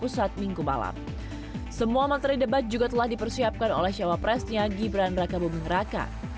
semua materi debat juga telah dipersiapkan oleh cawapresnya gibran raka buming raka